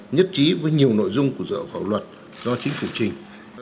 nhất trí với nhiều nội dung của dự thảo luật do chính phủ trình